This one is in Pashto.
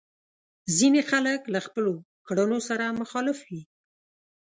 ځينې خلک له خپلو کړنو سره مخالف وي.